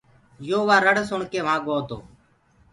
يو وآ رڙ سُڻڪي وهآنٚ گوو تو